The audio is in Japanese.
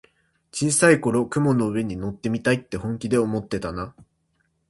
小さい頃、雲の上に乗ってみたいって本気で思ってたなあ。